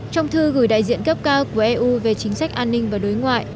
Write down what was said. trong thư gửi đại diện cấp cao của eu về chính sách an ninh và đối ngoại